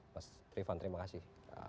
mas rifan terima kasih